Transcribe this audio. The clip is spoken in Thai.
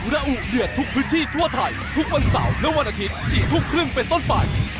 ระอุเดือดทุกพื้นที่ทั่วไทยทุกวันเสาร์และวันอาทิตย์๔ทุ่มครึ่งเป็นต้นไป